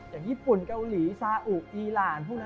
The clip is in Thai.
อย่างญี่ปุ่นเกาหลีซาอุกอีราน